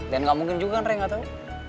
dan gak mungkin juga kan rayang gak tau